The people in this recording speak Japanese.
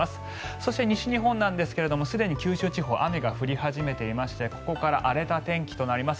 そして西日本なんですがすでに九州地方は雨が降り始めていましてここから荒れた天気となります。